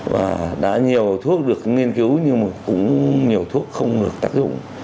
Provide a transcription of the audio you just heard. và đã nhiều thuốc được nghiên cứu nhưng mà cũng nhiều thuốc không được tác dụng